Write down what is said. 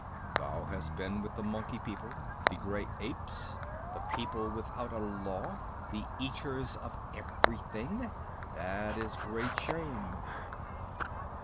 "Thou hast been with the Monkey People the gray apes the people without a law the eaters of everything. That is great shame."